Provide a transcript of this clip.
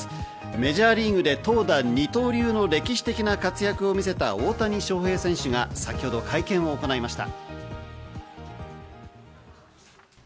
メジャーリーグで投打二刀流の歴史的な活躍を見せた大谷翔平選手が先ほど会見を行いました。